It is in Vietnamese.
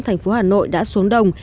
thành phố hà nội đã xuống đồng